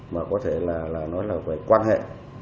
mà có thể là nói là về quan hệ